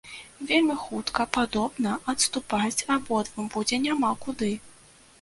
Вельмі хутка, падобна, адступаць абодвум будзе няма куды.